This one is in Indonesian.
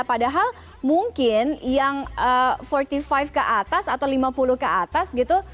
padahal mungkin yang empat puluh lima ke atas atau lima puluh ke atas gitu